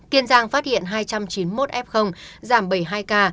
kiên giang phát hiện hai trăm chín mươi một f giảm bảy mươi hai ca